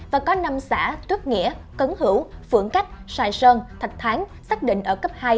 và có năm xã tuyết nghĩa cấn hữu phượng cách sài sơn thạch tháng xác định ở cấp hai